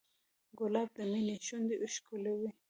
ګلاب د مینې شونډې ښکلوي.